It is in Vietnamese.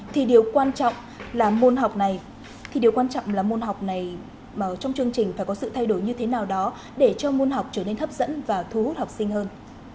thì điều quan trọng là môn học này trong chương trình phải có sự thay đổi như thế nào đó để cho môn học trở nên hấp dẫn và thu hút học sinh hơn